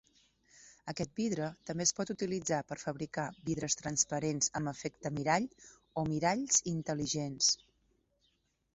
Aquest vidre també es pot utilitzar per fabricar vidres transparents amb efecte mirall o miralls intel·ligents.